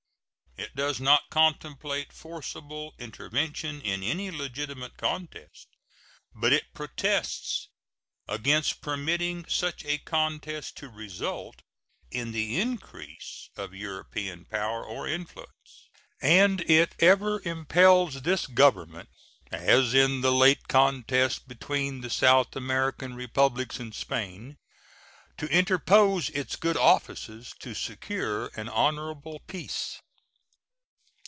It does not contemplate forcible intervention in any legitimate contest, but it protests against permitting such a contest to result in the increase of European power or influence; and it ever impels this Government, as in the late contest between the South American Republics and Spain, to interpose its good offices to secure an honorable peace.